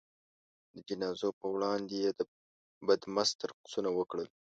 د جنازو په وړاندې یې بدمست رقصونه وکړل.